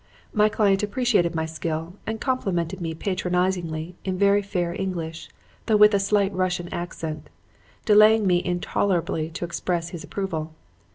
My client appreciated my skill and complimented me patronizingly in very fair English, though with a slight Russian accent, delaying me intolerably to express his approval.